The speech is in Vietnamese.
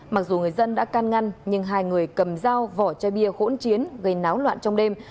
mặc dù người dân đã can ngăn nhưng hai người cầm dao vỏ chai bia hỗn chiến gây náo loạn trong đêm